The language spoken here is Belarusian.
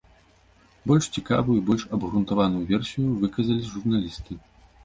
Больш цікавую, і больш абгрунтаваную версію выказалі журналісты.